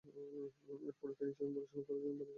এরপরেই তিনি ইসলামী পড়াশোনা করার জন্য বাড়ি ত্যাগ করেন।